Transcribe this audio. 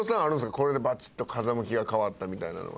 これでバチッと風向きが変わったみたいなのは。